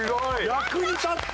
役に立った！